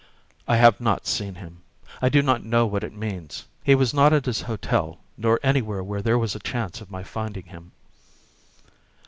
"I have not seen him. I do not know what it means. He was not at his hotel, nor anywhere where there was a chance of my finding him."